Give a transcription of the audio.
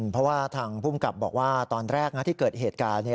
เพราะว่าทางภูมิกับบอกว่าตอนแรกนะที่เกิดเหตุการณ์